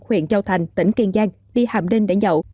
huyện châu thành tỉnh kiên giang đi hạm đinh để dậu